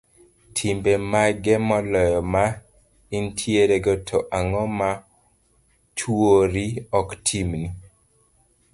timbe mage moloyo ma intierego, to ang'o ma chuori ok timni?